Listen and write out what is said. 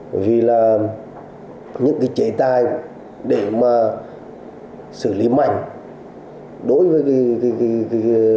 bởi vì là những chế tài để xử lý mạnh đối với các